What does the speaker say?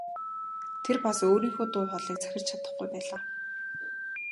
Тэр бас өөрийнхөө дуу хоолойг захирч чадахгүй байлаа.